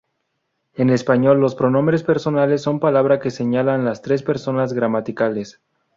En español los pronombres personales son palabras que señalan las tres personas gramaticales.